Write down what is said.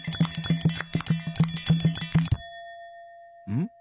ん？